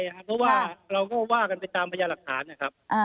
เพราะว่าเราก็ว่ากันไปตามพยาหลักฐานนะครับ